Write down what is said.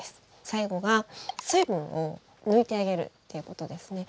最後が水分を抜いてあげるっていうことですね。